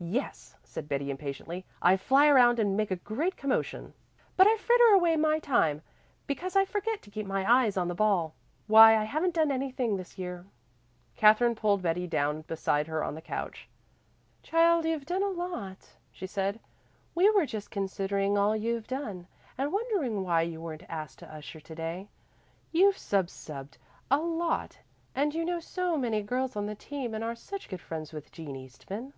"Yes," said Betty impatiently. "I fly around and make a great commotion, but I fritter away my time, because I forget to keep my eyes on the ball. Why, I haven't done anything this year." Katherine pulled Betty down beside her on the couch. "Child, you've done a lot," she said. "We were just considering all you've done, and wondering why you weren't asked to usher to day. You've sub subed a lot and you know so many girls on the team and are such good friends with Jean Eastman."